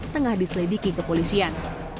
tengah dislediki kepolisian